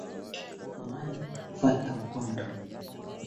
Kutengeneza bidhaa kumeleta matumaini mapya na tunawafundisha hata watoto wetu